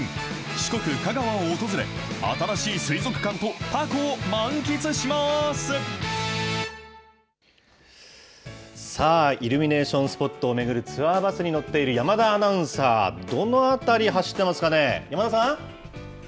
四国・香川を訪れ、新しい水族館さあ、イルミネーションスポットを巡るツアーバスに乗っている山田アナウンサー、どの辺り走ってますかね。